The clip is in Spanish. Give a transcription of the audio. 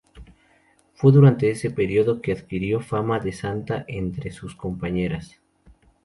Fue durante ese periodo que adquirió fama de santa entre sus compañeras.